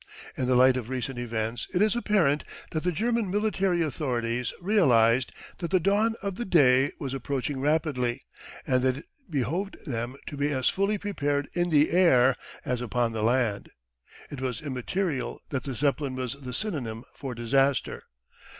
In the light of recent events it is apparent that the German military authorities realised that the dawn of "The Day" was approaching rapidly, and that it behoved them to be as fully prepared in the air as upon the land. It was immaterial that the Zeppelin was the synonym for disaster.